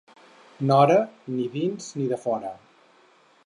Nora, ni dins ni defora.